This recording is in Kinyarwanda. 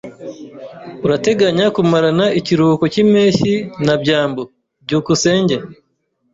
Urateganya kumarana ikiruhuko cyimpeshyi na byambo? byukusenge